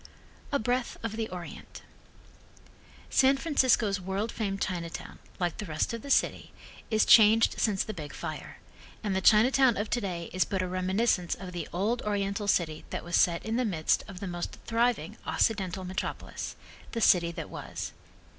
A Breath of the Orient San Francisco's world famed Chinatown, like the rest of the city, is changed since the big fire, and the Chinatown of today is but a reminiscence of the old Oriental city that was set in the midst of the most thriving Occidental metropolis The City That Was.